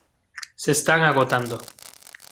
Se están agotando.